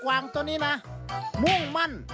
วางตัวนี้นะมุ่งมั่น